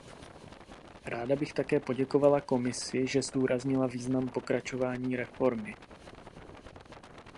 Ráda bych také poděkovala Komisi, že zdůraznila význam pokračování reformy.